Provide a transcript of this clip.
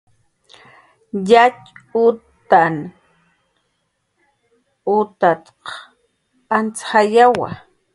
"Yatxutanh utanht"" antz jayankiwa"